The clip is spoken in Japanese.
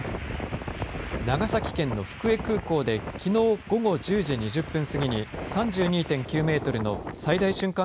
長崎県の福江空港できのう午後１０時２０分過ぎに３２．９メートルの最大瞬間